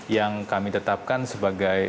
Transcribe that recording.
yang kami tetapkan sebagai